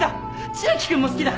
千秋君も好きだ！